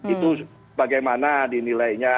itu bagaimana dinilainya